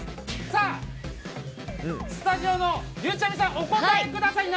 さあ、スタジオのゆうちゃみさん７秒でお答えください。